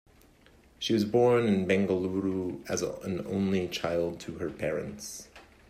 She was born in Bengaluru as an only child to her parents.